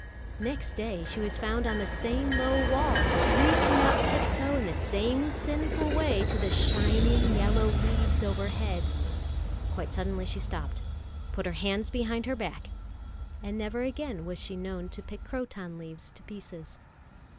Next day she was found on the same low wall, reaching up tiptoe in the same sinful way to the shining yellow leaves overhead. Quite suddenly she stopped, put her hands behind her back, and never again was she known to pick croton leaves to pieces.